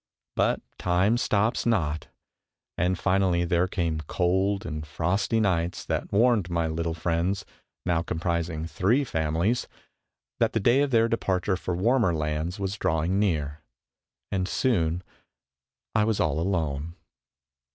But time stops not, and finally there came cold and frosty nights that warned my little friends, now comprising three families, that the day of their departure for warmer lands was drawing near; and soon I was all alone.